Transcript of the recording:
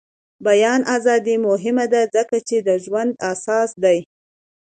د بیان ازادي مهمه ده ځکه چې د ژوند اساس دی.